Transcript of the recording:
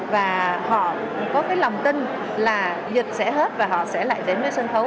và họ có cái lòng tin là dịch sẽ hết và họ sẽ lại đến với sân khấu